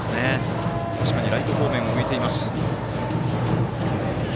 確かにライト方面へ向いていました。